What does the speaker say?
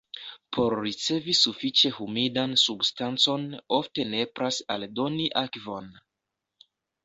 Por ricevi sufiĉe humidan substancon ofte nepras aldoni akvon.